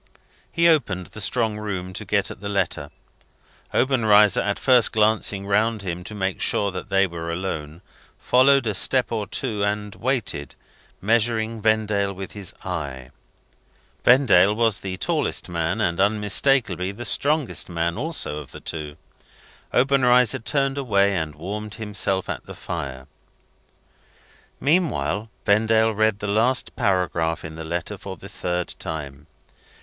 He opened the strong room to get at the letter. Obenreizer, after first glancing round him to make sure that they were alone, followed a step or two and waited, measuring Vendale with his eye. Vendale was the tallest man, and unmistakably the strongest man also of the two. Obenreizer turned away, and warmed himself at the fire. Meanwhile, Vendale read the last paragraph in the letter for the third time.